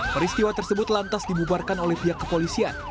peristiwa tersebut lantas dibubarkan oleh pihak kepolisian